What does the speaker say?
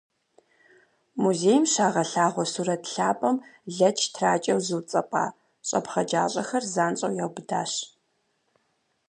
Музейм щагъэлъагъуэ сурэт лъапӏэм лэч тракӏэу зыуцӏэпӏа щӏэпхъэджащӏэхэр занщӏэу яубыдащ.